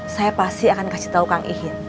saya pasti akan kasih tahu kang ihin